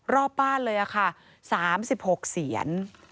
รอบบ้านเลยค่ะ๓๖เสียน